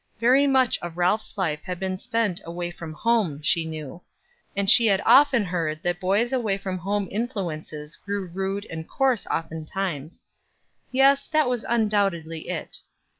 Very much of Ralph's life had been spent away from home, she knew; and she had often heard that boys away from home influences grew rude and coarse oftentimes. Yes, that was undoubtedly it.